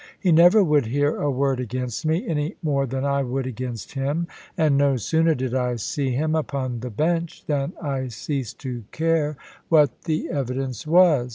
He never would hear a word against me, any more than I would against him; and no sooner did I see him upon the Bench than I ceased to care what the evidence was.